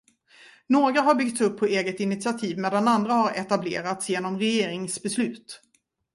Några har byggts upp på eget initiativ medan andra har etablerats genom regeringsbeslut.